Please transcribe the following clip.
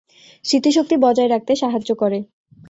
স্মৃতিশক্তি বজায় রাখতে সাহায্য করে।